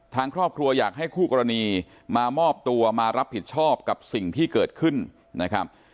ทางครอบครัวอยากให้คู่กรณีมามอบตัวมารับผิดชอบกับสิ่งที่เกิดขึ้นนะครับ